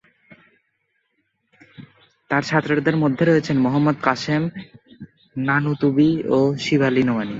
তার ছাত্রদের মধ্যে রয়েছেন: মুহাম্মদ কাসেম নানুতুবি ও শিবলী নোমানী।